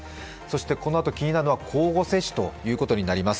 このあと気になるのは交互接種ということになります。